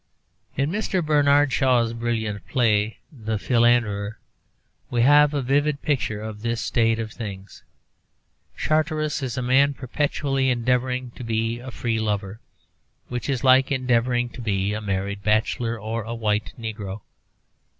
In Mr. Bernard Shaw's brilliant play 'The Philanderer,' we have a vivid picture of this state of things. Charteris is a man perpetually endeavouring to be a free lover, which is like endeavouring to be a married bachelor or a white negro.